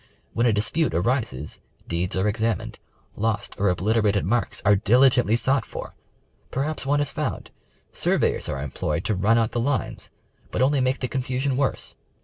When a dispute arises, deeds are examined, lost or obliterated mai'ks are diligently sought for, perhaps one is found, surveyors are em ployed to run out the lines but only make the confusion worse.